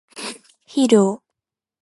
肥料